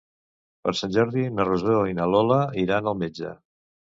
Per Sant Jordi na Rosó i na Lola iran al metge.